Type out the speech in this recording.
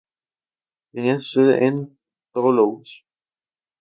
Tenía su sede en Toulouse.